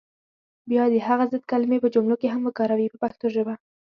بیا دې هغه ضد کلمې په جملو کې هم وکاروي په پښتو ژبه.